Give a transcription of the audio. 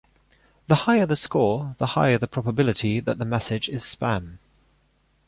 The higher the score, the higher the probability that the message is spam.